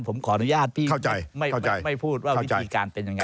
ผมขออนุญาตพี่ไม่พูดว่าวิธีการเป็นยังไง